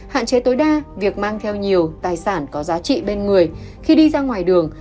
hạn chế tối đa việc mang theo nhiều tài sản có giá trị bên người khi đi ra ngoài đường